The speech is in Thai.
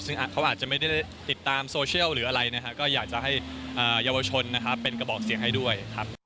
ซึ่งเขาอาจจะไม่ได้ติดตามโซเชียลหรืออะไรอยากจะให้เยาวชนเป็นกระบอกเสียงให้ด้วย